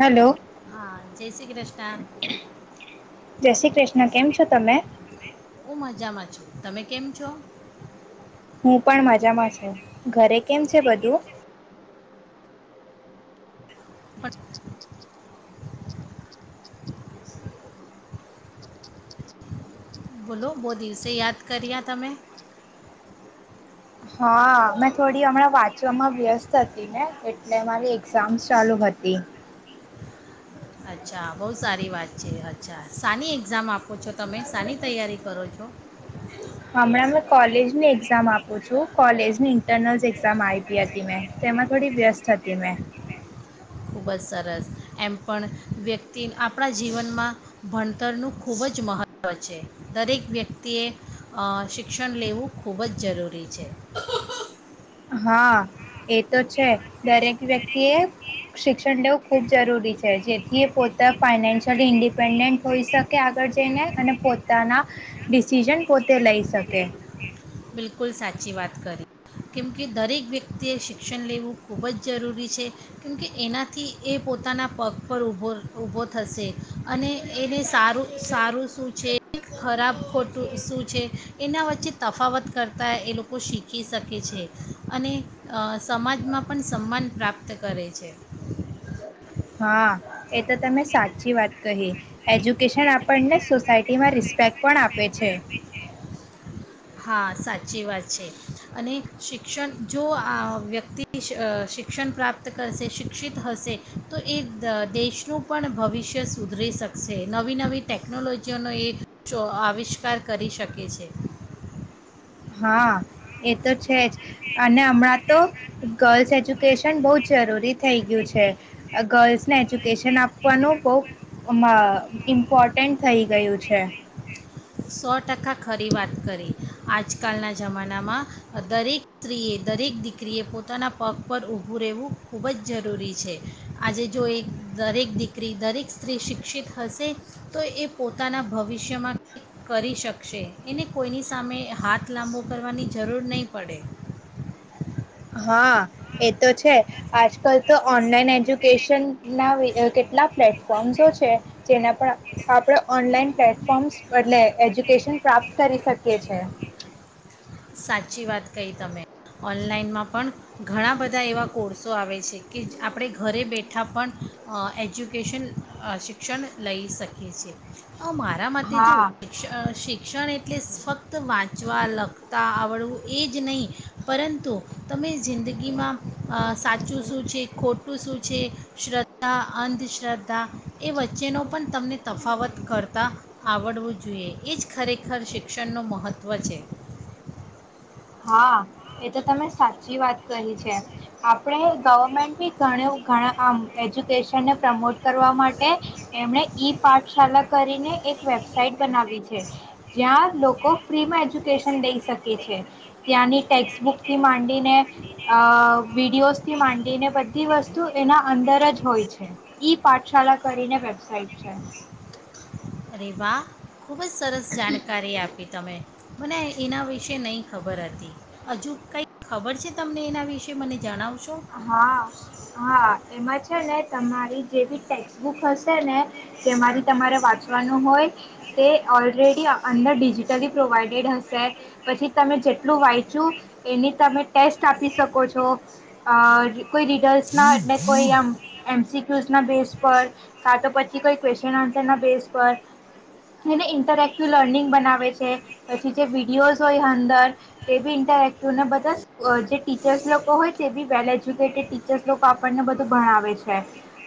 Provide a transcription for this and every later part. Hello! હા જય શ્રી કૃષ્ણ જય શ્રી કૃષ્ણ. કેમ છો તમે? હું મજામાં તમે કેમ છ? હું, પણ મજામાં છું. ઘરે કેમ છે બધું? બોલો, બહુ દિવસે યાદ કર્યા તમે હા મેં થોડી હમણાં વાંચવામાં વ્યસ્ત હતી ને એટલે મારી એક્ઝામ ચાલુ હતી. અચ્છા! બહુ સારી વાત છે અચ્છા સાાની એક્ઝામ આપો છો તમે સાાની તૈયારી કરો છો. હમણાં મેં કોલેજની એક્ઝામ આપું છું. કોલેજની ઇન્ટરનલ્સ એક્ઝામ આપી હતી મેં તેમાં થોડી વ્યસ્ત હતી મેં. ખૂબ જ સરસ એમ પણ વ્યક્તિ આપણા જીવનમાં ભણતરનું ખૂબ જ મહત્ત્વ છે, દરેક વ્યક્તિએ શિક્ષણ લેવું ખૂબ જ જરૂરી છે હા એ તો છે દરેક વ્યક્તિએ શિક્ષણ લેવું ખૂબ જરૂરી છે જેથી એ પોતે ફાઈનાન્શિયલી ઇન્ડિપેન્ડન્ટ હોઈ શકે આગળ જઈને અને પોતાના ડિસિઝન પોતે લઈ શકે, બિલકુલ સાચી વાત કરીએ કેમકે દરેક વ્યક્તિએ શિક્ષણ લેવું ખૂબ જ જરૂરી છે કેમકે એનાથી એ પોતાના પગ પર ભો ઊભો થશે અને એને સારું સારું શું છે. ખરાબ ખોટું શું છે એના વચ્ચે તફાવત કરતાં એ લોકો શીખી શકે છે. અને સમાજમાં પણ સન્માન પ્રાપ્ત કરે છે. હા, એ તો તમે સાચી વાત કહી એજ્યુકેશન આપણને સોસાયટીમાં રિસ્પેક્ટ પણ આપે છે હા સાચી વાત છે અને શિક્ષણ જો આ વ્યક્તિ શિક્ષણ પ્રાપ્ત કરશે શિક્ષિત હશે તો એ દેશનું પણ ભવિષ્ય સુધરી શકશે નવી નવી ટેકનોલોજીઓનો એ આવિષ્કાર કરી શકે છે હા એ તો છે જ અને હમણાં તો ગર્લ્સ એજ્યુકેશન બહુ જ જરૂરી. થઈ ગયું છે. ગર્લ્સને એજ્યુકેશન આપવાનું બહુ ઇમ્પોર્ટન્ટ થઈ ગયું છે સો ટકા ખરી વાત કરી આજકાલના જમાનામાં દરેક સ્ત્રીએ દરેક દીકરીએ પોતાના પગ પર ઊભું રહેવું ખૂબ જ જરૂરી છે આજે જો એ દરેક દીકરી દરેક સ્ત્રી શિક્ષિત હશે તો એ પોતાના ભવિષ્યમાં કરી શકશે એને કોઈની સામે હાથ લાંબો કરવાની જરૂર નહીં પડે હા એ તો છે આજકાલ તો, ઓનલાઈન એજુકેશન ના કેટલા પ્લેટફોર્મ્સો છે જેના પર આપણે ઓનલાઈન પ્લેટફોર્મ્સ એટલે એજ્યુકેશન પ્રાપ્ત કરી શકીએ છ છે. સાચી વાત કહી તમે ઓનલાઈનમાં પણ ઘણા બધા એવા કોર્સો આવે છે, કે આપણે ઘરે બેઠા પણ એજ્યુકેશન શિક્ષણ લઈ શકીએ છ છેએ. મારા માટે જો હા શિક્ષણ શિક્ષણ એટલે ફક્ત વાંચવા અલગ ત આવડવું એ જ નહીં પરંતુ તમે જિંદગીમાં સાચું શું છે ખોટું શું છે શ્રદ્ધા અંધશ્રદ્ધા એ વચ્ચેનો પણ તમને તફાવત કરતાં આવડવું જોઈએ એ જ ખરેખર, શિક્ષણનું મહત્ત્વ છે. હા એ તો તમે સાચી વાત કહી છે આપ આપણે ગવર્મેન્ટ બી ઘણ ઘણા આમ એજ્યુકેશનને પ્રમોટ કરવા માટે એમણે ઈ પાઠશાળા કરીને એક વેબસાઇટ બનાવી છે જ્યાં લોકો ફ્રીમાં એજ્યુકેશન લઈ શકે છે ત્યાંની. ટેક્સબુક થી માંડીને અ વિડીિયોઝથી માંડીને બધી વસ્તુ એના અંદર જ હોય છે ઈ પાઠશાળા કરીને વેબસાઇટ છે. રવા ખૂબ જ સરસ જાણકારી આપી. તમે મને એના વિશે નહીં ખબર હતી. હજુ કંઈ ખબર છે તમને એના વિશે મને જણાવો. હા હા એમાં છે ને તમારી જેવીી ટેક્સ્ટબુક હશે ને જેમાંથી તમારે વાંચવાનું હોય તે ઓલરેડી અંદર ડિજિટલી પ્રોવાઈડેડ હશે પછી તમે જેટલું વાંચ્યું એની તમે ટેસ્ટ આપી શકો છો. આ કોઈ રીડર્સના એટલે કોઈ આમ એમસીક્યુઝના બેઝ કા તો પછી કોઈ ક્વેશન આન્સર ના બેસ પર એને ઇન્ટરેક્ટિવ લર્નિંગ બનાવે છે પછી જે વિડીિયોઝ હોય, અંદર તે બી ઇન્ટરેએક્ટિવને બધા જે ટીચર્સ લોકો હોય તે બી. વેલ એજ્યુકેટેડ ટીચર્સ લોકો આપણને બધું ભણાવે છે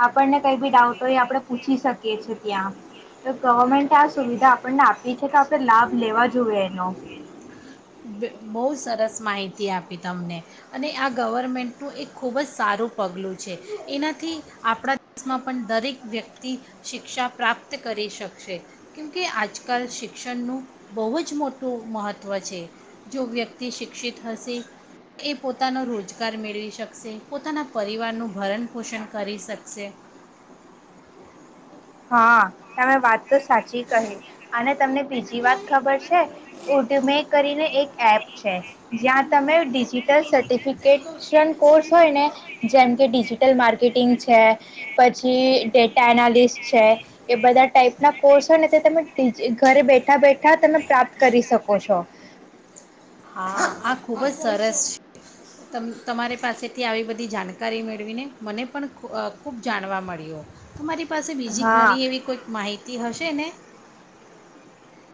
આપણને કઈ બી ડાઉટ હોય આપણે પૂછી શકીએ છી, ત્યાં તો ગવર્મેન્ટ આ સુવિધા આપણને આપી છે, તો આપણે લાભ લેવા જોએ એનો બ- બહુ સરસ માહિતી આપી તમને અને આ ગવર્મેન્ટનું એક ખૂબ જ સારું પગલું છે એનાથી આપણા દેશમાં પણ દરેક વ્યક્તિ શિક્ષા પ્રાપ્ત કરી શકશે કેમકે આજકાલ શિક્ષણનું બહુ જ મોટું મહત્ત્વ છે જો વ્યક્તિ શિક્ષિત હશે એ પોતાનો રોજગાર મેળવી શકશે પોતાના પરિવારનું ભરણ પોષણ કરી શકશે. હા, તમે વાત તો સાચી કહી અને તમને બીજી વાત ખબર છે. ઉડમે કરીને એક એપ છે જ્યાં તમે ડિજિટલ સર્ટિફિકેટ શિક્ષણ કોર્સ હોય ને જેમ કે ડિજિટલ માર્કેટિંગ છે, પછી ડેટા એનાલિસ્ટ છે, એ બધા ટાઈપ ના કોર્સ હોય ને તે તમે ઘરે બેઠા બેઠા તમે પ્રાપ્ત કરી શકો છો. હા આ ખૂબ જ સરસ છે. તમ તમારી પાસેથી આવી બધી જાણકારી મેળવીને મને પણ ખૂબ જાણવા મળ્યું. મારી પાસે બીજી હા ઘણી એવી કોઈક માહિતી માહિતી હશે નને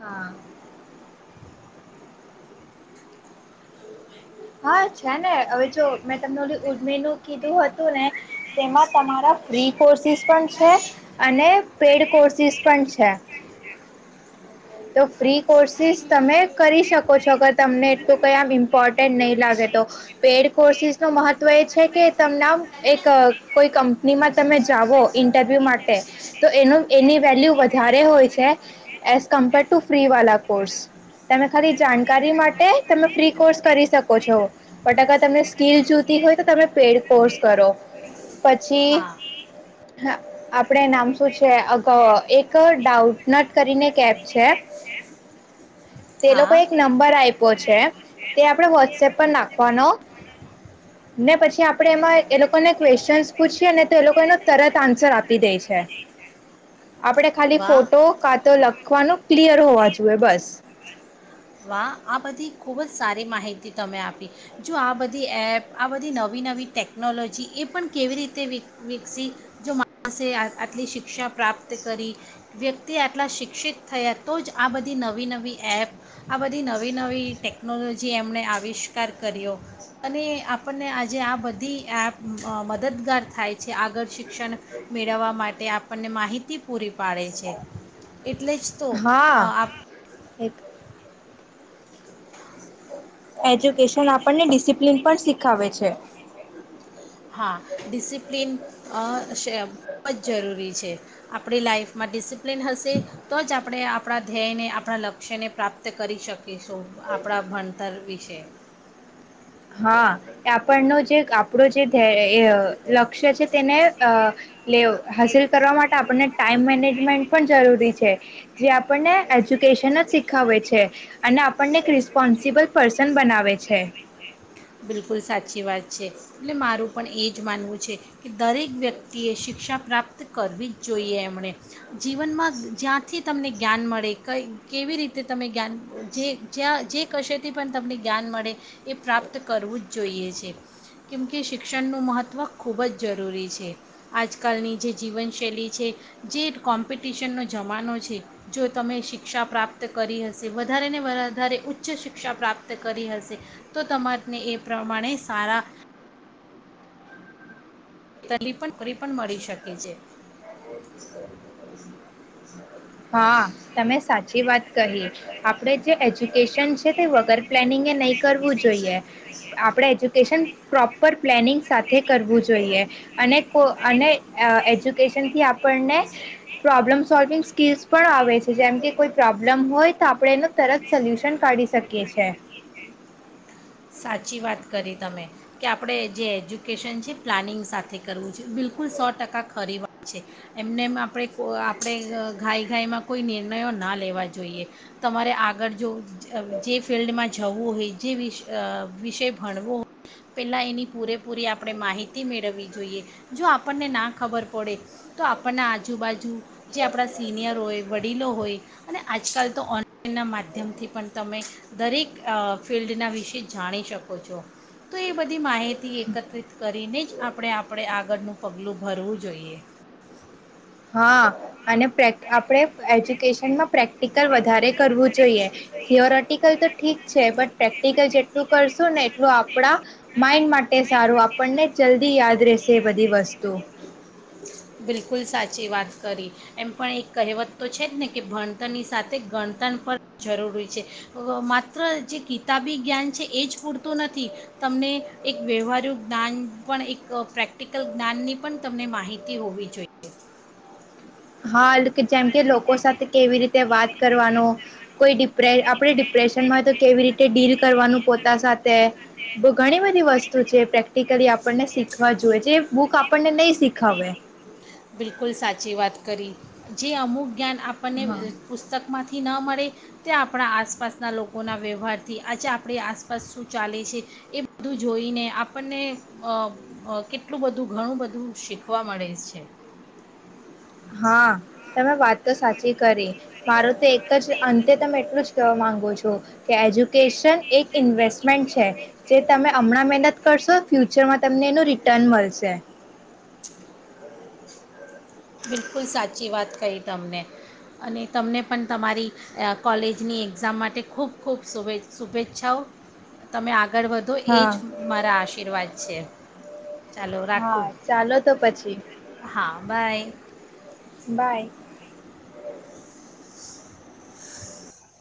હા હા, છે ને હવે જો મેં તમને ઉજમેનું કીધું હતું ને તેમાં તમારા ફ્રી કોર્સિસ પણ છે અને પેડ કોર્સિસ પણ છે. તો ફ્રી કોર્સિસ તમે કરી શકો છો અગર તમને એટલું કં આમ ઇમ્પોર્ટન્ટ નહીં લાગે તો પેડ કોર્સિસ ન મહત્વ એ છે કે તમને એક કોઈ કંપનીમાં તમે જઓ ઇન્ટરવ્યુ માટે તો એનું એની વેલ્યુ વધારે હોય છે એ કમ્પેર ટુ ફ્રી વાળા કોર્સ તમે ખરી જાણકારી માટે તમે ફ્રી કોર્સ કરી શકો છો, બટ અગર તમને સ્કીિલ જોતી હોય તો તમે પેડ કોર્સ કરો પછી હા આપણે નામ શું છેગ એક ડાઉટનટ કરીને એક એપ છે. તે લોકો હા એક નંબર આપ્યો છે તે આપણે વોટ્સએપ પર નાખવાનો ને પછી આપણે એમાં એ લોકોને ક્વેશ્ચન પૂછીએ ને તો એ લોકો એનો તરત આન્સર આપી દે છે. આપડણે ખાલી વાહ ફોટો કાતો તો લગ લખવાનું ક્લિયર હોવા જોઈએ બસ વાહ આ બધી ખૂબ જ સારી માહિતી તમે આપી જો આ બધી એપ આ બધી નવી નવી ટેકનોલોજી એ પણ કેવી રીતે વિકસી જો માણસે આટલી શિક્ષા પ્રાપ્ત કરી વ્યક્તિ આટલા શિક્ષિત થયા તો જ આ બધી નવી નવી એપ આ બધી બધી નવી નવી ટેકનોલોજી એમણે આવિષ્કાર કર્યો અને આપણને આજે આ બધી એપ મદદગાર થાય છે આગળ શિક્ષણ મેળવવા માટે આપણને માહિતી પૂરી પાડે છે. એટલે જ તો આપ એક એજ્યુકેશન આપણને ડિસિપ્લિન પણ શીખાવે છે. છે. હા ડિસિપ્લીન અ ખૂબ જ જરૂરી છે. આપણી લાઈફમાં ડિસિપ્લિન ડિસિપ્લિન હશે તો જ આપણે આપ આપણા ધ્યેયને આપણા લક્ષ્યને પ્રાપ્ત કરી શકે. કરી શકીશું આપણા ભણતર વિશે હા, એ આપણનો જે આપણો જે લક્ષ્ય છે તેને લે હાસિલ કરવા માટે આપણને ટાઈમ મેનેજમેન્ટ પણ જરૂરી છે, જે આપણને એજ્યુકેશન જ શીખાવે છે, અને આપણને એક રિસ્પોન્સિબલ પર્સન બનાવે છે. બિલકુલ સાચી વાત છે. છે, એટલે મારું પણ એ જ માનવું છે, કે દરેક વ્યક્તિએ શિક્ષા પ્રાપ્ત કરવી જ જોઈએ એમણે, જીવનમાં જ્યાંથી તમને જ્ઞાન મળે ક કેવી રીતે તમે જ્ઞાન જે જ્યાં જે કશેથી પણ તમને જ્ઞાન મળે, એ પ્રાપ્ત કરવું જ જોઈએ છે, કેમકે શિક્ષણનું મહત્ત્વ ખૂબ જ જરૂરી છે, આજકાલની જે જીવનશૈલી છે, જે કોમ્પિટિશનનો જમાનો છે જો તમે શિક્ષા પ્રાપ્ત કરી હશે વધારેને વધારે ઉચ્ચ શિક્ષા પ્રાપ્ત કરી હશે, તો તમારા અને એ પ્રમાણે સારા તલી પણ નોકરી પણ મળી શકે છે. હા તમે સાચી વાત કહી, આપડે જે એજ્યુકેશન છે તે વગર પ્લેનિંગ નહીં કરવું જોઈએ. આપણે એજ્યુકેશન પ્રોપર પ્લેનિંગ સાથે કરવું જોઈએ, અને કો અને એજ્યુકેશનથી આપણને, પ્રોબ્લમ સોલ્વિંગ્સ સ્કીલ્સ પણ આવે છે જેમ કે કોઈ પ્રોબ્લમ હોય તો આપણે એનું તરત સોલ્યુશન કાઢી શકીએ છે. સાચી વાત કરી તમે કે આપણે જે એજ્યુકેશન છે પ્લાનિંગ સાથે કરવું છે બિલકુલ સો ટકા ખરીવા છે, એમને એમ આપણે આપણે ઘાય ગાયમાં કોઈ નિર્ણયો ના લેવા જોઈએ, તમારે આગળ જો જે ફિલ્ડમાં જવું હોય જે વિશે વિષય ભણવો હોય પહેલાં એની પૂરેપૂરી આપણે માહિતી મેળવવી જોઈએ જો આપણને ના ખબર પડે તો આપણના આજુબાજુ જે આપણા સિનિયર હોય વડીલો હોય અને આજકાલ તો ઓનલાઈનના માધ્યમથી પણ તમે દરેક ફિલ્ડના વિશે. જાણી શકો છો, તો એ બધી માહિતી એકત્રિત કરીને જ આપણે આપણે આગળનું પગલું ભરવું જોઈએ. હા, અને પ્રક આપણે એજ્યુકેશનમાં પ્રેક્ટિકલ વધારે કરવું જોઈએ, થિયોરેટિકલ તો ઠીક છે બટ પ્રેક્ટિકલ જેટલું કરશું ને એટલું આપણા, માઇન્ડ માટે સારું આપણને ચ બધી યાદ રહેશે બધી વસ્તુ. બિલકુલ સાચી વાત કરી, એમ પણ એક કહેવત તો છે જ ને કે ભણતરની સાથે ગણતર પણ જરૂરી છે, માત્ર જે કિતાબી જ્ઞાન છે એ જ પૂરતું નથી, તમને એક વ્યવહારું જ્ઞાન પણ એક પ્રેક્ટિકલ જ્ઞાનની પણ તમને માહિતી હોવી જોઈએ. હા જેમ કે લોકો સાથે કેવી રીતે વાત કરવાનું. કોઈ ડિપ આપણે ડિપ્રેશનમાં તો કેવી રીતે ડીલ કરવાનું પોતા સાથે, ઘણી બધી વસ્તુ છે પ્રેક્ટિકલી આપણને શીખવા જોઈએ જે બુક આપણને નહી શીખવે. બિલકુલ સાચી વાત કરી, જે અમુક જ્ઞાન આપણને હા પુસ્તકમાંથી થી ન મળે, ત્યાં આપણા આસપાસના લોકોના વ્યવહારથી આજે આપણી આસપાસ શું ચાલે છે, એ બધું જોઈને આપણને કેટલું બધું ઘણું બધું શીખવા મળે છે. હા, તમે વાત તો સાચી કરી, મારું તો એક જ અંતે તમે એટલું જ કહેવા માગુ છું, કે એજ્યુકેશન એક ઇન્વેસ્ટમેન્ટ છે, જે તમે હમણાં મહેનત કરશો ફ્યુચરમાં તમને એનું રિટર્ન મળશે. બિલકુલ સાચી વાત કહી તમને, અને તમને પણ તમારી કોલેજની એક્ઝામ માટે ખૂબ ખૂબ શુે શુભેચ્છાઓ, તમે આગળ આગળ વધો એ હા જ મારા આશીર્વાદ છે, ચાલો હા રાખું ચાલો તો પછી હા બાય. બાય.